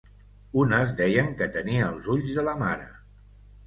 Unes deien que tenia els ulls de la mare